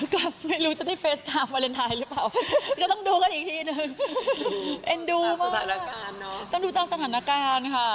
ก็ไม่รู้จะได้เฟสตามวาเลนไทน์หรือเปล่า